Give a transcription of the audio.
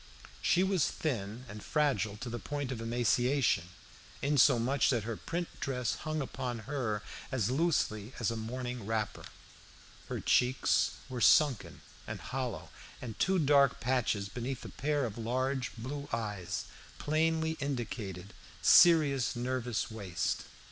She was thin and fragile to the point of emaciation, insomuch that her print dress hung upon her as loosely as a morning wrapper. Her cheeks were sunken and hollow, and two dark patches beneath a pair of large blue eyes plainly indicated serious nervous waste.